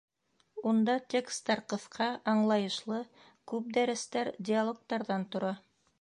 Унда текстар ҡыҫҡа, аңлайышлы, күп дәрестәр диалогтарҙан тора.